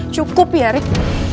cukup ya rick